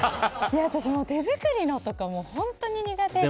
私、手作りのとか本当に苦手で。